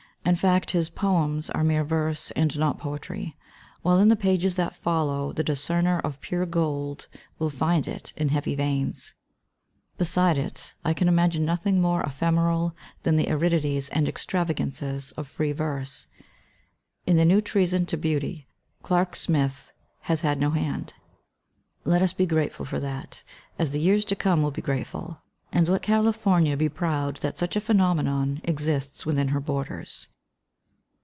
In fadt, his "poems'' are mere verse and not poetry, while in the pages that follow the discemer of pure gold will find it in heavy veins. Be^de it, I can imagine nothii^ more ephemeral than the aridities and extrava' gances of free verse. In the new treason to beauty, Qark Smith has had no hand. Let us be grateful for that, as the years to come will be grateful. And let California be proud that such a phenomenon exists within her borders.